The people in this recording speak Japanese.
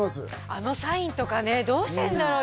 あのサインとかねどうしてるんだろう？